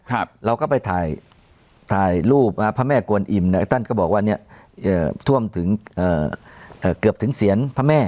ครับเราก็ไปถ่ายผ่าแม่กวนอิ่มนะตั้งก็บอกว่าเนี่ยเมื่อถ้วมถึงเกือบถึงเสียงแม่